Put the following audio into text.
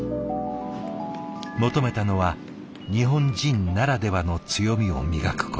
求めたのは日本人ならではの強みを磨くこと。